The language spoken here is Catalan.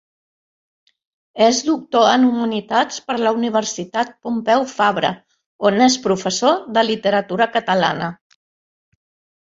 És doctor en humanitats per la Universitat Pompeu Fabra, on és professor de literatura catalana.